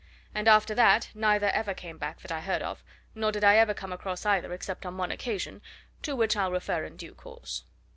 And after that, neither ever came back that I heard of, nor did I ever come across either, except on one occasion to which I'll refer in due course.